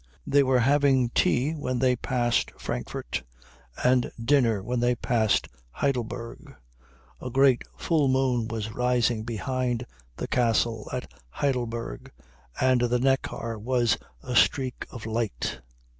They were having tea when they passed Frankfurt, and dinner when they passed Heidelberg. A great full moon was rising behind the castle at Heidelberg, and the Neckar was a streak of light.